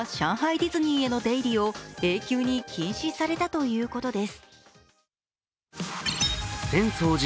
ディズニーへの出入りを永久に禁止されたということです。